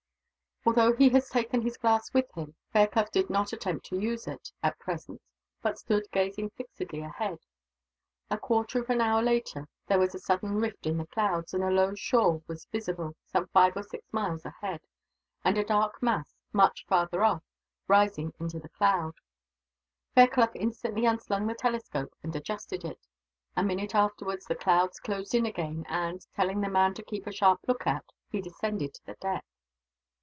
Although he had taken his glass with him, Fairclough did not attempt to use it, at present; but stood gazing fixedly ahead. A quarter of an hour later there was a sudden rift in the clouds, and a low shore was visible, some five or six miles ahead; and a dark mass, much farther off, rising into the cloud. Fairclough instantly unslung the telescope, and adjusted it. A minute afterwards the clouds closed in again and, telling the man to keep a sharp lookout, he descended to the deck.